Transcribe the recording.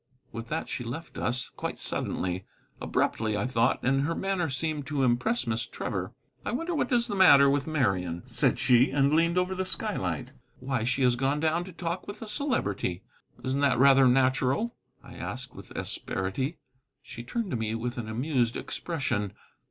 With that she left us, quite suddenly. Abruptly, I thought. And her manner seemed to impress Miss Trevor. "I wonder what is the matter with Marian," said she, and leaned over the skylight. "Why, she has gone down to talk with the Celebrity." "Isn't that rather natural?" I asked with asperity. She turned to me with an amused expression.